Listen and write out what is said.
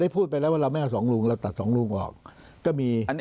ภูมิไทย๗๑